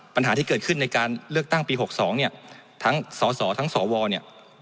ปัญหาที่เกิดขึ้นในการเลือกตั้งปี๖๒เนี่ยทั้งสสทั้งสวเนี่ย